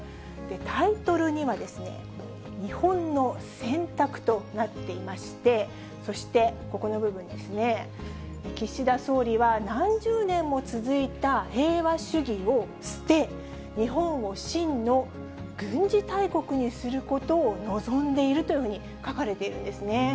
タイトルには、日本の選択となっていまして、そしてここの部分ですね、岸田総理は何十年も続いた平和主義を捨て、日本を真の軍事大国にすることを望んでいるというふうに書かれているんですね。